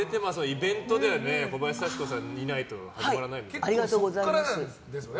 イベントでは小林幸子さんいないと始まらないですよね。